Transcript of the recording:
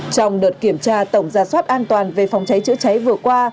trong đợt kiểm tra tổng gia soát an toàn về phòng cháy chữa cháy vừa qua